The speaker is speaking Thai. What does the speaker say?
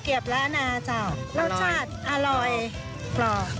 รสชาติอร่อย